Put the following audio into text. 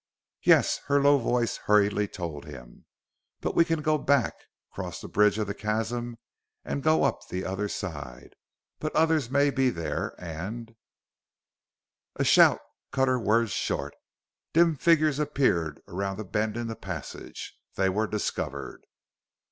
"Yes," her low voice hurriedly told him. "But we can go back, cross the bridge of the chasm and go up the other side. But others may be there, and " A shout cut her words short. Dim figures appeared around the bend in the passage. They were discovered!